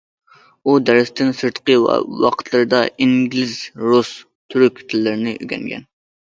ئۇ دەرستىن سىرتقى ۋاقىتلىرىدا ئىنگلىز، رۇس، تۈرك تىللىرىنى ئۆگەنگەن.